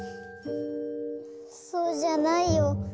そうじゃないよ。